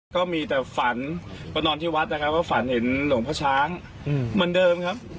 ก็มีแต่ฝันมานอนที่วัดนะครับว่าฝันเห็นหลวงพ่อช้างเหมือนเดิมครับ